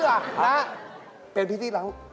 เออเอาด้วยเหรอนะเพลงพิตตี้เรา